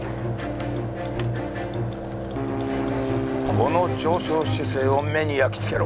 この上昇姿勢を目に焼き付けろ！